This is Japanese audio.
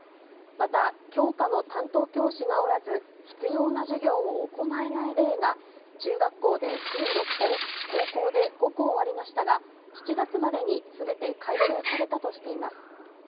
また、教科の担当教師がおらず、必要な授業を行えない例が、中学校で１６校、高校で５校ありましたが、７月までにすべて解消されたとしています。